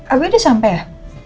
abia udah sampai ya